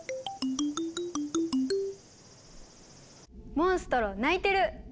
モンストロ鳴いてる！